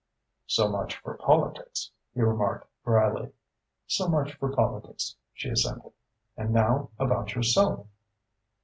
"So much for politics," he remarked drily. "So much for politics," she assented. "And now about yourself?"